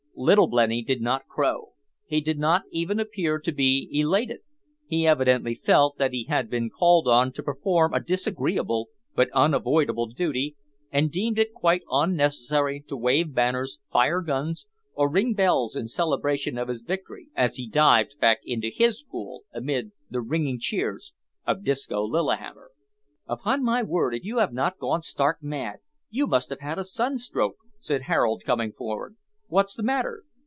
Little Blenny did not crow; he did not even appear to be elated. He evidently felt that he had been called on to perform a disagreeable but unavoidable duty, and deemed it quite unnecessary to wave banners, fire guns, or ring bells in celebration of his victory, as he dived back into his pool amid the ringing cheers of Disco Lillihammer. "Upon my word, if you have not gone stark mad, you must have had a sunstroke," said Harold, coming forward, "what's the matter?"